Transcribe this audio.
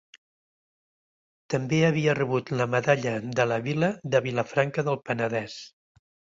També havia rebut la Medalla de la Vila de Vilafranca del Penedès.